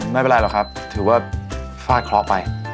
ไม่เป็นไรหรอกครับถือว่าฟาดเคราะห์ไป